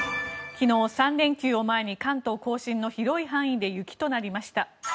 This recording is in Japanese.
昨日、３連休を前に関東・甲信の広い範囲で雪となりました。